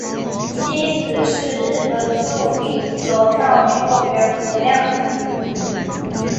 妻子是日本著名柔道运动员谷亮子。